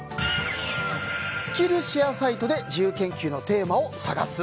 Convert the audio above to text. スキルシェアサイトで自由研究のテーマを探す。